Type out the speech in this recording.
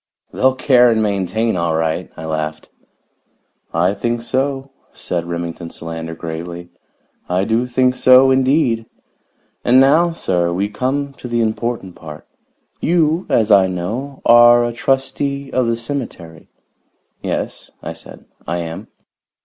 "They'll care and maintain, all right!" I laughed. "I think so," said Remington Solander gravely. "I do think so, indeed! And now, sir, we come to the important part. You, as I know, are a trustee of the cemetery." "Yes," I said, "I am."